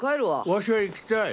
ワシは行きたい。